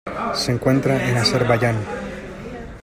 Se encuentra en Azerbaiyán.